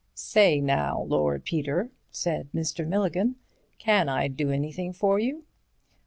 "Say now, Lord Peter," said Mr. Milligan, "can I do anything for you?"